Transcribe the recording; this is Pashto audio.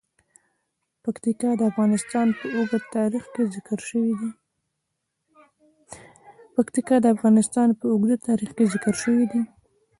پکتیکا د افغانستان په اوږده تاریخ کې ذکر شوی دی.